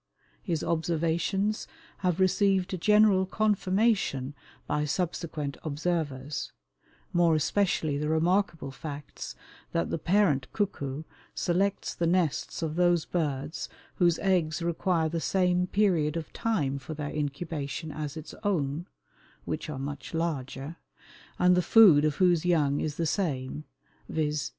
His observations have received general confirmation by subsequent observers, more especially the remarkable facts that the parent cuckoo selects the nests of those birds whose eggs require the same period of time for their incubation as its own (which are much larger), and the food of whose young is the same, viz.